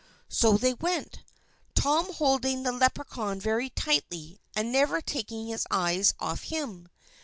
So they went, Tom holding the Leprechaun very tightly, and never taking his eyes off him.